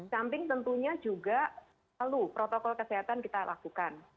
samping tentunya juga lalu protokol kesehatan kita lakukan